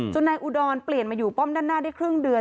นายอุดรเปลี่ยนมาอยู่ป้อมด้านหน้าได้ครึ่งเดือน